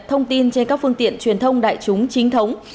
thông tin trên các phương tiện truyền thông đại chúng chính thống